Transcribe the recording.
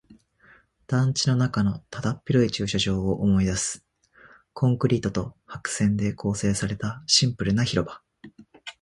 団地の中のだだっ広い駐車場を思い出す。コンクリートと白線で構成されたシンプルな広場。